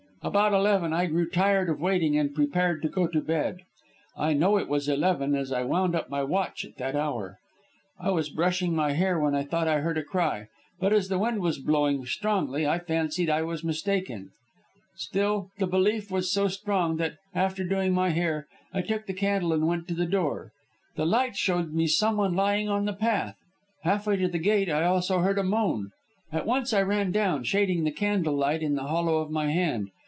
About eleven I grew tired of waiting and prepared to go to bed. I know it was eleven as I wound up my watch at that hour. I was brushing my hair when I thought I heard a cry, but as the wind was blowing strongly I fancied I was mistaken. Still, the belief was so strong that, after doing up my hair, I took the candle and went to the door. The light showed me someone lying on the path, halfway to the gate I also heard a moan. At once I ran down, shading the candle light in the hollow of my hand.